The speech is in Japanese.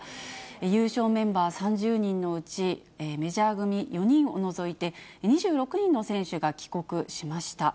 優勝メンバー３０人のうち、メジャー組４人を除いて、２６人の選手が帰国しました。